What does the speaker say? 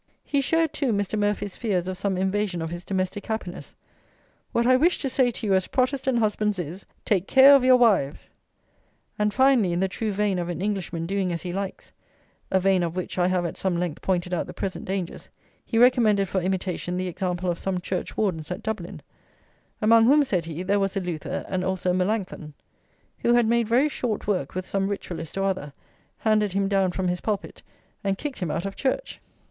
He shared, too, Mr. Murphy's fears of some invasion of his domestic happiness: "What I wish to say to you as Protestant husbands is, Take care of your wives!" And, finally, in the true vein of an Englishman doing as he likes, a vein of which I have at some length pointed out the present dangers, he recommended for imitation the example of some churchwardens at Dublin, among whom, said he, "there was a Luther and also a Melancthon," who had made very short work with some ritualist or other, handed him down from his pulpit, and kicked him out of church.